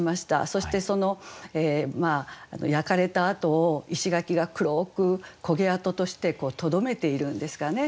そしてその焼かれた跡を石垣が黒く焦げ跡としてとどめているんですかね。